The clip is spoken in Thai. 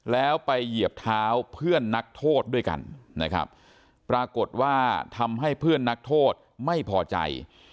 แล้วไปเหยียบเท้าเพื่อนนักโทษด้วยกันนะครับปรากฏว่าทำให้เพื่อนนักโทษไม่พอใจ